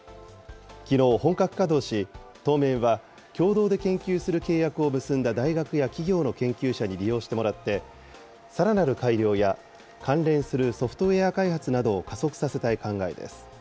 きのう、本格稼働し、当面は共同で研究する契約を結んだ大学や企業の研究者に利用してもらって、さらなる改良や関連するソフトウエア開発などを加速させたい考えです。